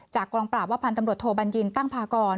กองปราบว่าพันธุ์ตำรวจโทบัญญินตั้งพากร